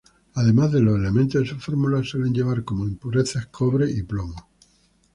Además de los elementos de su fórmula, suele llevar como impurezas: cobre y plomo.